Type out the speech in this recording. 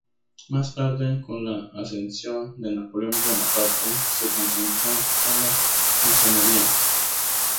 Más tarde, con la ascensión de Napoleón Bonaparte, se concentró en la Masonería.